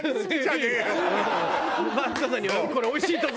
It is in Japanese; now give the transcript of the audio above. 「マツコさんにはこれおいしい所」。